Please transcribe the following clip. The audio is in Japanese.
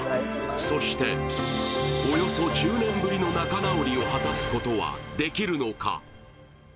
そしておよそ１０年ぶりの仲直りを果たすことはできるのか？